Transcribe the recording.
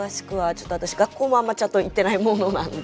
ちょっと私学校もあんまちゃんと行ってないものなんで。